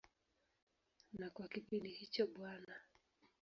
Na kwa kipindi hicho Bw.